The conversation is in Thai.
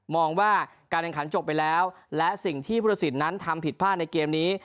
มองว่าการแรงขันจบไปแล้วและสิ่งที่ผู้ช่วยผู้ช่วยผู้ช่วยผู้ช่วยนั้นทำผิดพลาดในเกมนี้